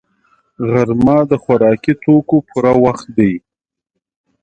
غرمه د خوراکي توکو پوره وخت دی